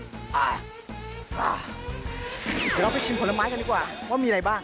เดี๋ยวเราไปชิมผลไม้กันดีกว่าว่ามีอะไรบ้าง